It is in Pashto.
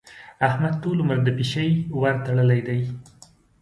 احمد ټول عمر د پيشي ورتړلې دي.